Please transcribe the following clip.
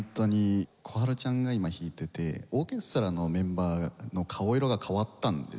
心春ちゃんが今弾いててオーケストラのメンバーの顔色が変わったんですよね。